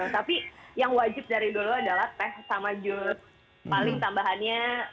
tapi yang wajib dari dulu adalah teh sama jus paling tambahannya